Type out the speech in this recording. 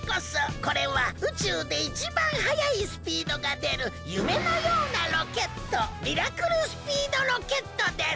これは宇宙でいちばんはやいスピードがでるゆめのようなロケットミラクルスピードロケットです！